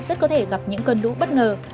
rất có thể gặp những cơn lũ bất ngờ